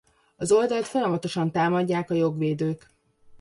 Az oldalt folyamatosan támadják a jogvédők.